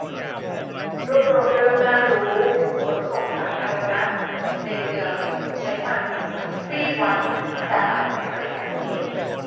รวบรวมเรื่องน่ารู้ขนส่งสาธารณะในเมืองที่คุณใช้มันทุกวี่วัน แต่อาจไม่เคยสังเกต